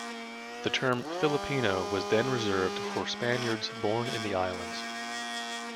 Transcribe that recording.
The term "Filipino" was then reserved for Spaniards born in the islands.